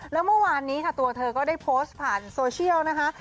แล้วเมื่อวานนี้ค่ะตัวเธอก็ได้โพสต์ผ่านโซเชียลนะคะ